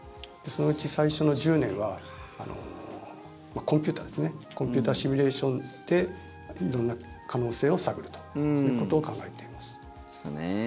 そのうち最初の１０年はコンピューターですねコンピューターシミュレーションで色んな可能性を探るとそういうことを考えています。